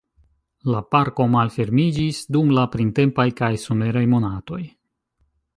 La parko malfermiĝis dum la printempaj kaj someraj monatoj.